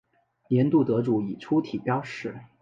年度得主以粗体标示。